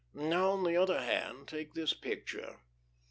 Now, on the other hand, take this picture."